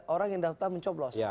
orang yang daftar mencoblos